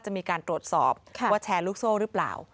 จะมีการตรวจสอบว่าแชร์ลูกโซ่หรือเปล่า